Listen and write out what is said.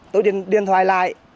tôi điện thoại lại